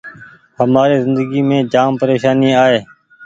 همآري زندگي مينٚ جآم پريشاني آئي